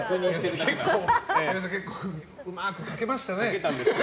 岩井さん、うまく書けましたね。